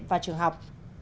pha trường học